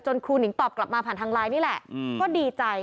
ครูหนิงตอบกลับมาผ่านทางไลน์นี่แหละก็ดีใจ